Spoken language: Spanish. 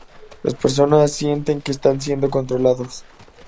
Las personas sienten que están siendo controlados".